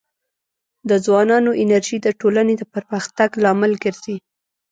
د ځوانانو انرژي د ټولنې د پرمختګ لامل ګرځي.